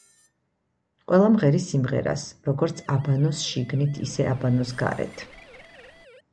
ყველა მღერის სიმღერას „როგორც აბანოს შიგნით, ისე აბანოს გარეთ“.